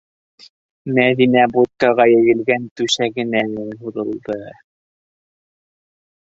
Мәҙинә будкаға йәйелгән түшәгенә һуҙылды.